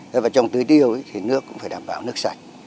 thế và trong tứ tiêu thì nước cũng phải đảm bảo nước sạch